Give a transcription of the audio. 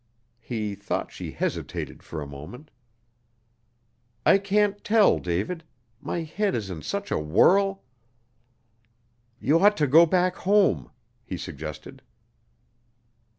He thought she hesitated for a moment. "I can't tell, David. My head is in such a whirl." "You ought to go back home," he suggested.